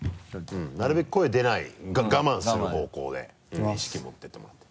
なるべく声出ない我慢する方向で意識持っていってもらって。